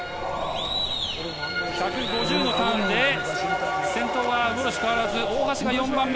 １５０のターンで、先頭はウォルシュ変わらず、大橋が４番目。